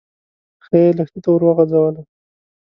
پښه يې لښتي ته ور وغځوله.